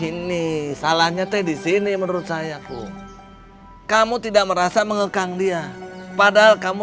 ini salahnya teh disini menurut saya kum kamu tidak merasa mengekang dia padahal kamu